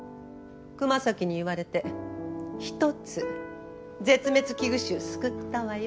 熊咲に言われて一つ絶滅危惧種救ったわよ。